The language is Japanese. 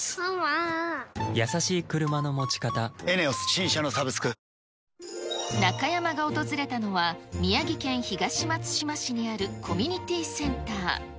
本番を１週間後に控えた稽古中山が訪れたのは宮城県東松島市にあるコミュニティセンター。